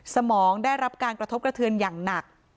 สมองได้รับการกระทบกระเทือนอย่างหนัก